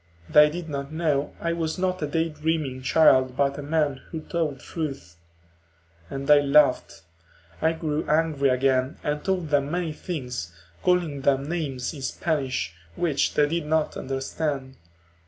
They did not know I was not a daydreaming child but a man who told truth. And they laughed; I grew angry again and told them many things, calling them names in Spanish, which they did not understand.